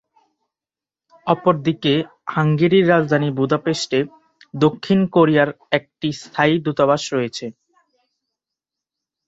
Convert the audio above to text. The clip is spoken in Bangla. অপরদিকে হাঙ্গেরির রাজধানী বুদাপেস্টে দক্ষিণ কোরিয়ার একটি স্থায়ী দূতাবাস রয়েছে।